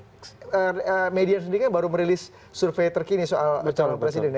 oke median sendiri baru merilis survei terkini soal calon presiden